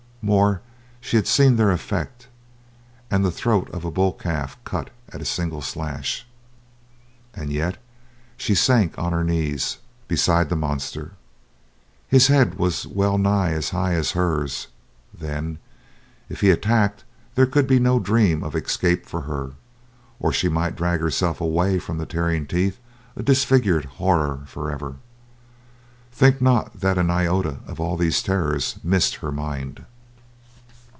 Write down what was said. More she had seen their effect, and the throat of a bull cut at a single slash. And yet she sank on her knees beside the monster. His head was well nigh as high as hers, then; if he attacked there could be no dream of escape for her. Or she might drag herself away from the tearing teeth a disfigured horror forever. Think not that an iota of all these terrors missed her mind.